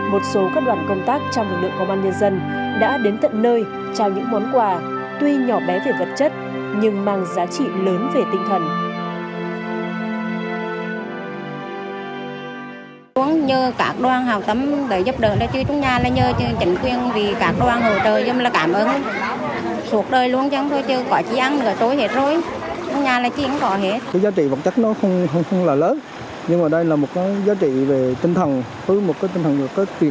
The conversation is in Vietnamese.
một số các đoàn công tác trong lực lượng công an nhân dân đã đến tận nơi